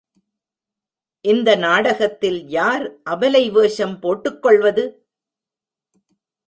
இந்த நாடகத்தில் யார் அபலை வேஷம் போட்டுக்கொள்வது?